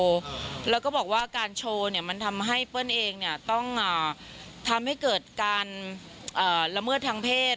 เราก็บอกว่าการโชว์มันทำให้เปิ้ลเองต้องทำให้เกิดการละเมือดทางเพศ